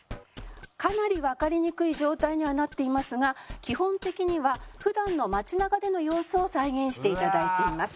かなりわかりにくい状態にはなっていますが基本的には普段の街なかでの様子を再現していただいています。